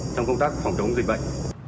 trong công tác phòng chống dịch bệnh